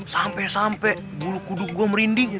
sampe sampe bulu kuduk gue merinding